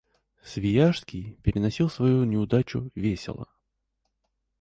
Свияжский переносил свою неудачу весело.